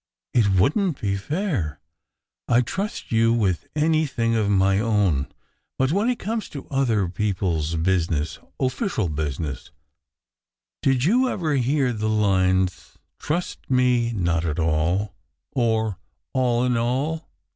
It wouldn t be fair. I d trust you with anything of my own; but when it comes to other people s business official business " "Did you ever hear the lines, Trust me not at all, or all in all?